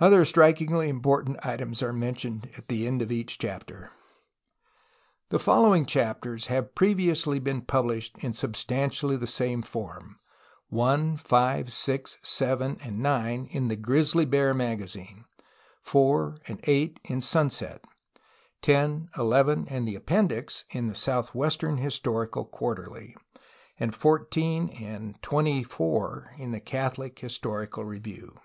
Other strikingly important items are men tioned at the end of each chapter. The following chapters have previously been published in substantially the same form: I, V, VI, VII, IX, in the Grizzly hear magazine; IV, VIII, in Sunset; X, XI, and the Appendix, in the Southwestern historical quarterly ; and XIV, PREFACE vii XXIX, in the Catholic historical review.